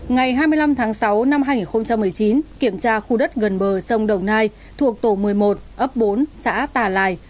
ngày hai mươi năm tháng sáu năm hai nghìn một mươi chín kiểm tra khu đất gần bờ sông đồng nai thuộc tổ một mươi một ấp bốn xã tà lài